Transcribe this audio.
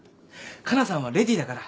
かなさんはレディーだから。